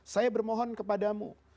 saya bermohon kepadamu